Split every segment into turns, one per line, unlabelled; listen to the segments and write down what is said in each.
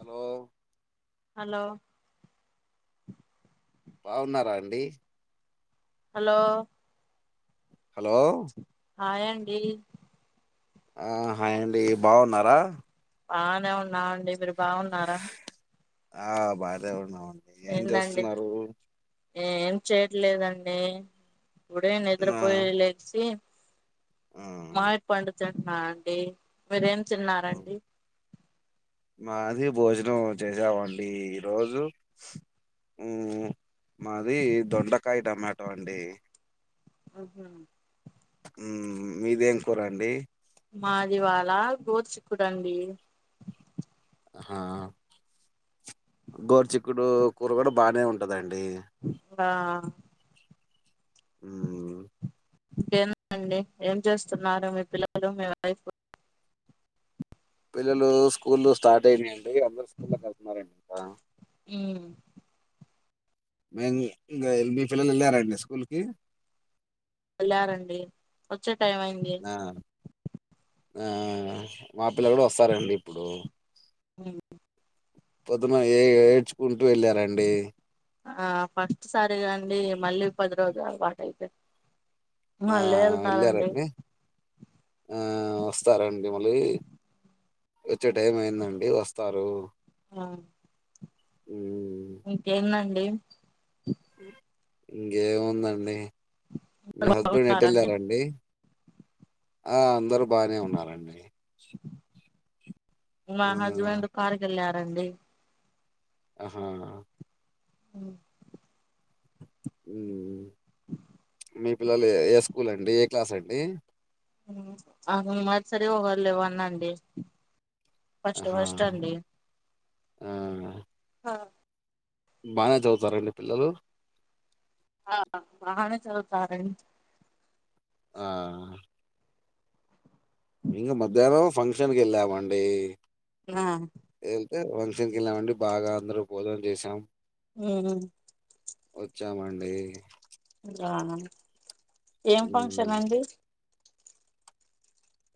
Hello
hello
బాగున్నారా అండి
hello
hello
hi అండి
హాయ్ అండి బాగున్నారా
బానే ఉన్నావండి మీరు బాగున్నారా
ఆ బానే ఉన్నామండి ఏం
ఏందండి
చేస్తున్నారు
ఏం చేయట్లేదండి ఇప్పుడే
నా
నిద్రపోయి లేచి
ఆ
మామిడిపండు తింటున్న అండి మీరేం
ఆ.
తిన్నారండి
మాది భోజనం చేసామండి ఈ రోజు మాది దొండకాయ టమాటో అండి
ఆహ
మీదేం కూరండి
మాది ఇవాళ గోరుచిక్కు అండి
ఆ గోరు చిక్కుడు కూర కూడా బానే ఉంటదండి
ఆ
ఉ
ఇంకేండి ఏం చేస్తున్నారు మీ పిల్లలు మీ వైఫ్
పిల్లలు స్కూల్ స్టార్ట్ అయినాయండి అందరు స్కూల్ కి వెళ్తున్నారండి
ఉ
మేము ఇంకా మీ పిల్లలు వెళ్ళారండి స్కూల్ కి
వెళ్లారండి వచ్చే టైం అయింది
ఆ ఆ మా పిల్ల కూడా వస్తారండి ఇప్పుడు పొద్దున ఏ ఏడ్చుకుంటూ వెళ్ళారండి
ఆ ఫస్ట్ సారిగా అండి మళ్ళీ పది రోజు పటూ అయితే
ఆ
మళ్ళే వెళ్తారండి
వెళ్ళారండి ఆ వస్తారండి మళ్ళీ వచ్చే టైం అయిందండి వస్తారు
ఆ
మ్మ్
ఇంకేందండి
ఇంకేముందండి మీ
అందరు
హస్బెండ్ ఎటు
బాగున్నారండి
వెళ్ళారండి ఆ అందరూ బానే ఉన్నారండి
మా
ఆ
హస్బెండ్ కారుకి వెళ్ళారండి,
ఆహా
అ
ఉ మీ పిల్లలు ఏ స్కూల్ అండి ఏ క్లాస్ అండి
అ ఒకరు నర్సరీ ఒకరు లేవన్ అండి ఫస్ట్
ఆహా
ఫస్ట్ అండి
బాగానే చదువుతారండి పిల్లలు
ఆహా బాగానే చదువుతారండి,
ఆ నిన్న మధ్యాహ్నం ఫంక్షన్కి వెళ్ళామండి
ఆ
ఫంక్షన్ కి వెళ్ళం అండి బాగా అందరం భోజనం చేసాం
ఉహు
వచ్చామండి
అవున ఏం ఫంక్షన్
హ్మ్.
అండి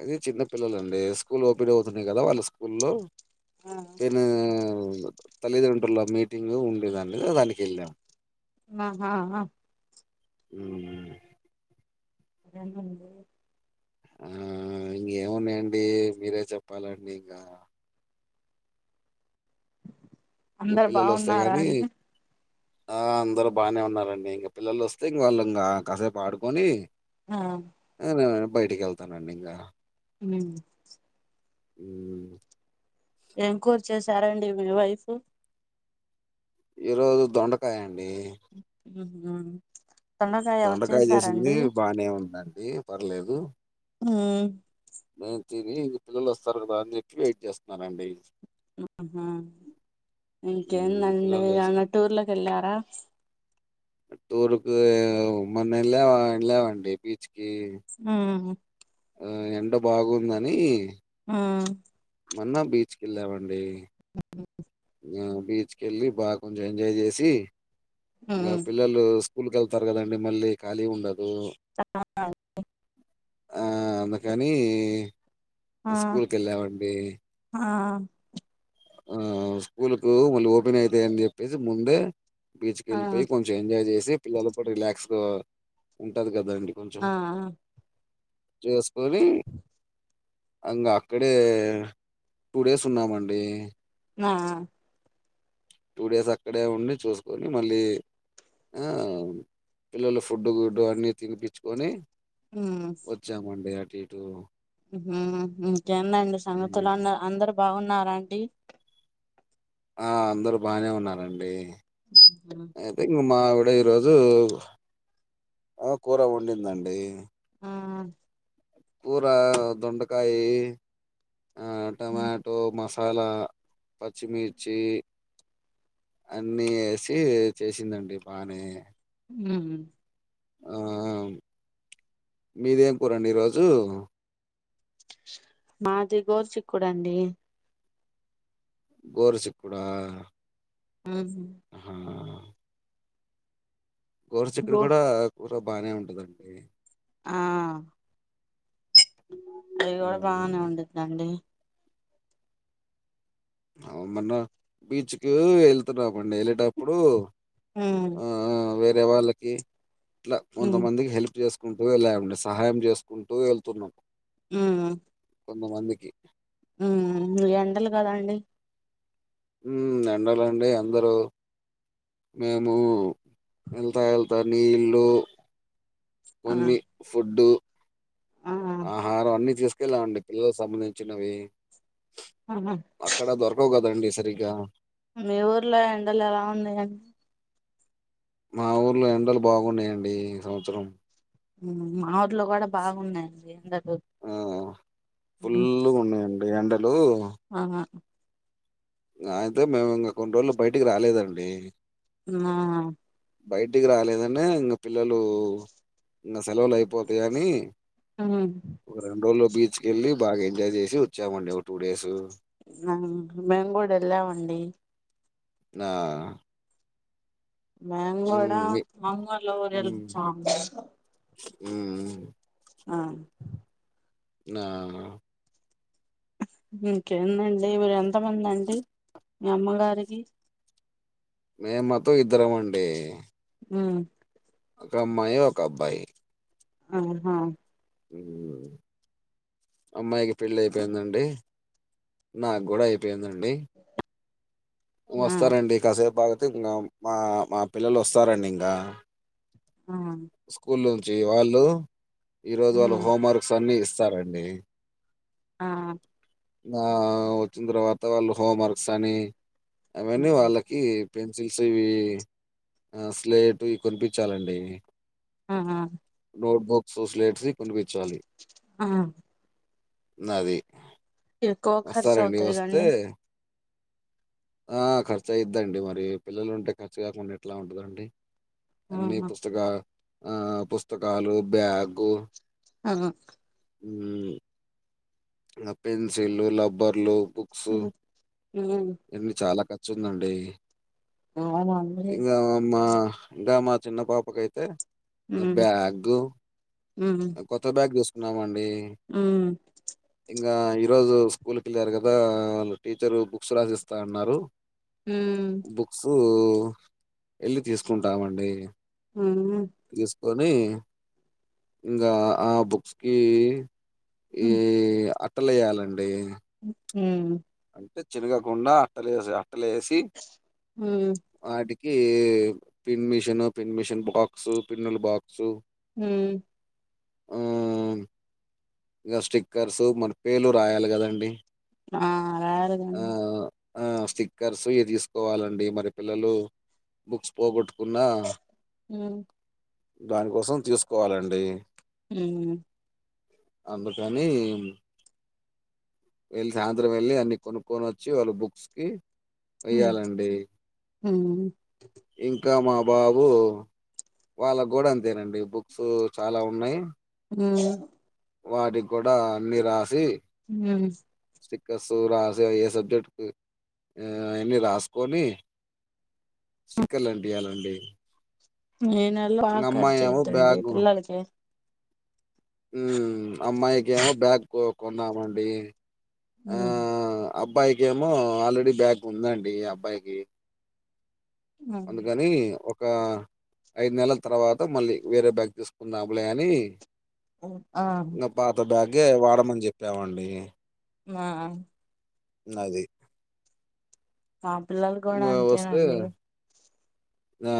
అది చిన్న పిల్లలండి స్కూల్ ఓపెన్ అవుతున్నాయి కదా వాళ్ళ స్కూల్లో పెన్ను తల్లిదండ్రులు మీటింగ్ ఉండేదాన్ని దానికి వెళ్ళాము
ఆహా హా
ఉ
అదేన్నండి
ఆ ఇంకేమున్నాయండి మీరే చెప్పాలండి ఇంకా మి
అందరు
పిల్లలు వస్తాయ
బాగున్నారా
అవి
అండి
ఆ అందరూ బాగానే ఉన్నారండి ఇంక పిల్లలు వస్తే ఇంగ వాళ్ళు ఇంకా కాసేపు ఆడుకొన్ని నేను బయటికి వెళ్తానండి ఇంకా
ఉ
ఉ
ఏం కూర చేసారండి మీ వైఫ్
ఈరోజు దొండకాయ అండి
ఆ
దొండకాయ చేసింది బానే ఉందండి పర్లేదు
ఊ
నేను తిని ఇంక పిల్లలు వస్తారు కదా అని చెప్పి వెయిట్ చేస్తున్నానండి
ఆహా
హ్మ్.
ఎంకేందడి
పిల్లలు
ఎమన్నా టూర్లకెళ్లారా
టూర్కి ఉ మొన్న ఎల్లా ఎల్లామండీ బీచ్కి
ఉహు
ఆ ఎండ బాగుందని
ఆ
మొన్న బీచ్ కి వెళ్ళామండి ఆ బీచ్ కెళ్లి బాగా కొంచెం ఎంజాయ్ చేసి ఇంకా
ఉమ్
పిల్లలు స్కూలుకి వెళ్తారు కదండి మళ్ళీ ఖాళీ ఉండదు. ఆ అందుకని
ఆ
స్కూల్ కేళ్ళామండి.
ఆ
ఆ స్కూల్ కు వాళ్లు ఓపెన్ అయితాయని చెప్పేసి ముందే బీచ్
ఆ
కెళ్ళిపోయి కొంచెం ఎంజాయ్ చేసి పిల్లలు కూడా రిలాక్స్ గా ఉంటది కదా. అండి కొంచెం
ఆ ఆ
చేసుకొని ఇంకా అక్కడే టూ డేస్ ఉన్నామండి.
ఆ ఆ
టూ డేస్ అక్కడే ఉండి చూసుకొని మళ్ళీ ఆ పిల్లలు ఫుడ్, గుడ్డు అన్ని తినిపిచ్చుకొని
ఉమ్
వచ్చా మండీ అటు ఇటు
ఇంకేందండి
హ్మ్.
సంగతులు అందరూ బాగున్నారాండి.
ఆ అందరుూ బానే ఉన్నారంండి అయితే మావిడ ఈరోజు కూర వండిందండి.
ఆ
కూర దొండకాయి, టమాటో మస్ మసాల, పచ్చిమిర్చి అన్నీ వేసి చేసిందండి బానే
మ్
ఆ మీదేం కూరండి ఈరోజు.
మాది గోరుచిక్కుడండి.
గోరుచిక్కుడా?
మ్ హూ
గోరచిక్కుడు
గో
కూడా కూర బానే ఉంటదండి.
ఆ అవి కూడా బానే
మ్మ్
ఉండిద్దండి.
అ మొన్న బీచ్ కి వెళ్తున్నాం మొన్న వెళ్ళేటప్పుడు
ఉమ్
ఆ వేరే వాళ్ళకి ఇట్లా
ఉమ్
కొంతమందికి హెల్ప్ చేసుకుంటూ వెళ్ళామండి. సహాయం చేసుకుంటూ వెళ్తున్నాం.
మ్
కొంతమందికి
ఉ ఎండలు కదా అండి.
ఉ ఎండలండి అందరూ మేము వెళ్తా వెళ్తా నీళ్ళు
ఆ
కొన్ని ఫుడ్
ఆ
ఆహారం అన్ని తీసుకెళ్ళామండి పిల్లలకు సంబంధించినవి
ఆహా
అక్కడ దొరకవు కదండి సరిగా
మీ ఊర్లో ఎండలు ఎలా ఉన్నాయండి?
మా ఊర్లో ఎండలు బాగున్నాయండి ఈ సంవత్సరం.
మా ఊర్లో కూడా బాగున్నాయండి. ఎండలు
ఆ ఫుల్ గున్నాయండీ ఎండలు
ఆహా
అయితే మేము ఇంకా కొన్ని రోజులు బయటికి రాలేదండి.
ఆ
బయటికి రాలేదనే ఇంగ పిల్లలు ఇంకా సెలవులు అయిపోతాయని అని
ఆ
ఒక రెండు రోజులు బీచ్ వెళ్ళి బాగా ఎంజాయ్ చేసి వచ్చామండి ఒక టూ డేసు
ఆ మేంగూడు ఎళ్ళామండి
ఆ
మేం గూడా మంగళూరు వెళ్ళొచ్చాం అం
ఉమ్ ఊ
ఆ
నా
ఇంకేందండి మీరు ఎంతమంది అండి మీ అమ్మగారికి
మే మొత్తం ఇద్దరం అండి
ఉమ్
ఒక అమ్మాయి, ఒక అబ్బాయి
ఆహా
ఊ అమ్మాయికి పెళ్లి అయిపోయిందండి నా గూడా అయిపోయిందండి
ఆ
వస్తారండి కాసేపు ఆగితే ఇంగా మా మా పిల్లలు వస్తారండి ఇంగా
ఆ
స్కూల్ నుంచి వాళ్ళు ఈ రోజు వాళ్ళు హోంవర్క్స్ అన్ని ఇస్ సారండి
ఆ
ఆ వచ్చిన తర్వాత వాళ్ళు హోమ్వర్క్స్ అని అవన్నీ వాళ్ళకి పెన్సిల్స్ ఇవి ఆ స్లేట్ ఇవి కొనిపిచ్చాలండి
ఆహ
నోట్బుక్స్ స్లేట్సి కొనిపిచ్చాలి
ఆ
నది
ఎక్కువ ఖర్చు
వస్తారండి
అవుతాయి
వస్తే
కండి
ఆ ఖర్చు అయిద్దండి మరి పిల్లలు ఉంటే ఖర్చు కాకుండా ఎట్లా ఉంటదండి అన్ని
ఆహా
పుస్తకా ఆ పుస్తకాలు బ్యాగు
అవును
ఉమ్ ఊ ఆ పెన్సిల్లు, లబ్బర్లు, బుక్సు,
ఉమ్
ఇన్నీ చాలా క చ్చు ఉందండి
అవునండి
ఇంకా మా ఇంకా మా చిన్న పాపకైతే ఇంగ
ఉమ్
బ్యాగు
ఉమ్
కొత్త బ్యాగ్ తీసుకున్నామ్ అం
ఉమ్
ఇంగ ఈ రోజు స్కూల్ కెళ్ళారు కదా, వాళ్ళు టీచరు బుక్స్ రాసిస్తా అన్నారు
ఉమ్
ఊ ఎళ్ళి తీసుకుంటామండి
ఊఉ
కొని ఇంగా ఆ బుక్స్ కి ఈ అట్టలు వెయ్యాలండి
ఊ ఉ
అంటే చినగకుండా అట్టలు అట్టలు వేసి
ఉమ్
వాటి వాటికి pin machine pin machine box పిన్నుల బాక్సు
హ్ము్
ఊ ఇకా స్టిక్కర్సు మన పేర్లు రాయాలి కదండి
ఆ రాయాలిగా అండి
ఆ స్టిక్కర్సు ఇవి తీసుకోవాలండి మరి పిల్లలు బుక్స్ పోగొట్ కున్న దానికోసం తీసుకోవాలండి
ఉ
అందుకని వెళ్ళి సాయంత్రం వెళ్ళి అన్ని కొనుక్కొనొచ్చి వాళ్ళు బుక్స్కి వెయ్యాలండి
ఉ
ఇకా మా బాబు వాళ్ళ కూడా అంతేనండి బుక్స్ చాలా ఉన్నాయి.
ఉ
వాటికి కూడా అన్ని రాసి స్టిక్ కర్సు రాసే ఏ సబ్జెక్ట్కు అన్ని రాసుకొని స్టిక్కర్లు అంటియాలండి
ఏ నెల్లో ఆకర్
అమ్మాయి ఏమో
చేయద్దండి పిల్లలకి
ఉ అమ్మాయికేమో బ్యాగ్ కో కొన్నమండి
ఉ
అబ్బాయికేమో ఆల్రెడీ బ్యాగ్ ఉందండి అబ్బాయికి అందుకని ఒక్ ఒక ఐదు నెలల తర్వాత మళ్ళీ వేరే బ్యాగ్ తీసుకుందాములే అని.
ఉ ఆ
అగే వాడమని చెప్పామండి
ఆ
నాది
నా పిల్లలు కూడా అంతేనండి
ఆ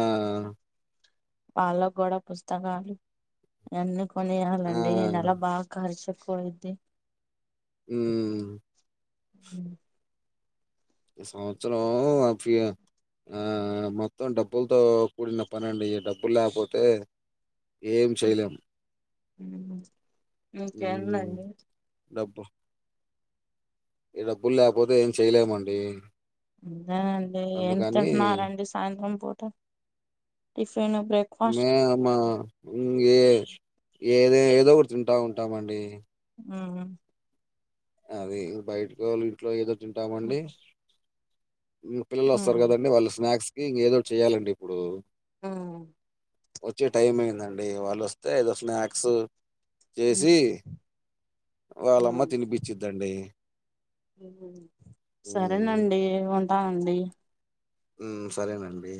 వాళ్ళకుగూడ పుస్తకాలు ఇవన్నీ
ఆ
కొనేయాలండి ఈ నెల బాగా ఖర్చు కోడ్ది
ఉ ఈ సంవత్సరం వాళ్ళ ఫీయా ఆ మొత్తం డబ్బులతో కూడిన పనండి డబ్బులు ల్యాపోతే ఏం చేయలేమ్
ఉ ఇంకేందండి
డబ్బు ఈ డబ్బులు ల్యాకపోతే ఏం చెయలేమండి
అంతేనండి ఏం తింటున్నారండి సాయంత్రం పూట టిఫిన్ బ్రేక్ఫాస్ట్
నేను మ ఇంగే ఏదే ఏదో ఒకటి తింటా ఉంటామండి
ఉ ఉ
అది బయటకు వాళ్ళ ఇంట్లో ఏదో తింటామండి ఇంగ్ పిల్లలు వస్తారు
ఉమ్
కదండి వాళ్ళు స్నాక్స్కి ఏదో ఒకటి చేయాలండి ఇప్పుడు.
ఆ
వచ్చే టైం అయిందండి వాళ్ళు వస్తే ఏదో స్నాక్సు చేసి వాళ్ళమ్మ
ఉమ్
తినిపి మ్మ్
సరేనండి ఉంటానండి
ఉ సరేనండి